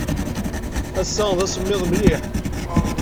Ass-a d asemmiḍ mliḥ.